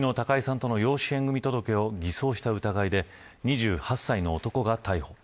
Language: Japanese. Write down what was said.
昨日、高井さんとの養子離縁を偽装した疑いで２８歳の男が逮捕。